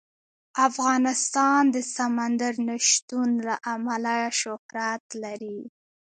افغانستان د سمندر نه شتون له امله شهرت لري.